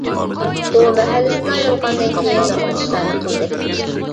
ئۇ مەھەللىسىدىن ئايرىلغاندىن كىيىن نۇرغۇن ئىشلارنى قىلدى.